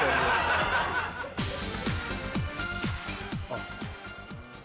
あっ。